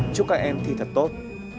chúc các em thi thật tốt